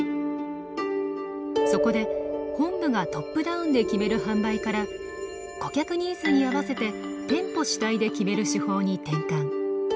そこで本部がトップダウンで決める販売から顧客ニーズに合わせて店舗主体で決める手法に転換。